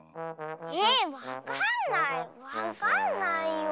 えわかんないわかんないよ。